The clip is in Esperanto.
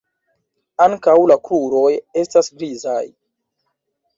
Ankaŭ la kruroj estas grizaj.